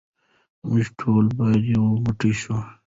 موږ ټول باید یو موټی شو.